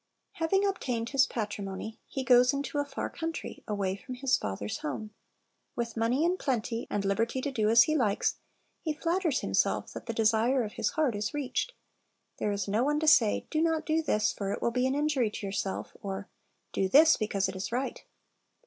Having obtained his patrimony, he goes into "a far country," away from his father's home. With money in plenty, and liberty to do as he likes, he flatters himself that the desire of his heart is reached. There is no one to say, Do not do this, for it will be an injury to your self; or, Do this, because it is right.